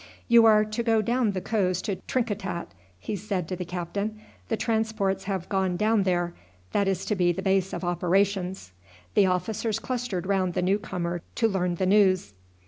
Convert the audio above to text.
"You are to go down the coast to Trinkitat," he said to the captain. "The transports have gone down there, that is to be the base of operations." The officers clustered round the new comer to learn the news.